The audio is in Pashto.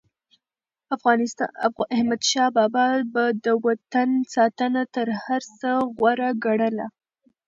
احمدشاه بابا به د وطن ساتنه تر هر څه غوره ګڼله.